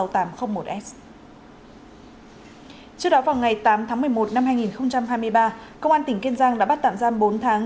trước đó vào ngày tám tháng một mươi một năm hai nghìn hai mươi ba công an tỉnh kiên giang đã bắt tạm giam bốn tháng